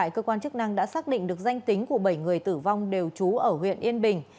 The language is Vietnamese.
cơ quan chức năng đã xác định được danh tính của bảy người tử vong đều trú ở huyện yên bình